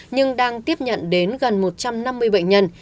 nhưng đang tiếp nhận đến gần một trăm năm mươi bệnh nhân